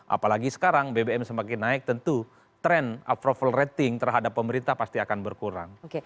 apalagi sekarang bbm semakin naik tentu tren approval rating terhadap pemerintah pasti akan berkurang